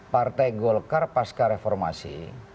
partai golkar pasca reformasi